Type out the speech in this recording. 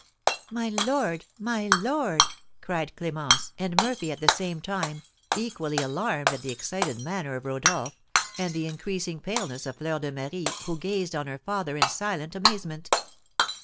"My lord! My lord!" cried Clémence and Murphy at the same time, equally alarmed at the excited manner of Rodolph, and the increasing paleness of Fleur de Marie, who gazed on her father in silent amazement.